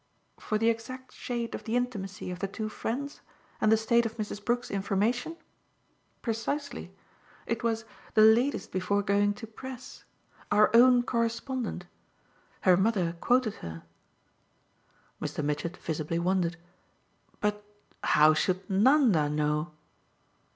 "For the exact shade of the intimacy of the two friends and the state of Mrs. Brook's information? Precisely it was 'the latest before going to press.' 'Our own correspondent'! Her mother quoted her." Mr. Mitchett visibly wondered. "But how should Nanda know